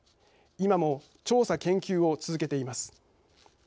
今も調査・研究を続けています。